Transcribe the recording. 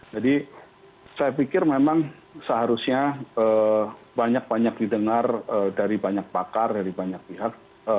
jadi saya pikir memang seharusnya banyak banyak didengar dari banyak pakar dari banyak pihak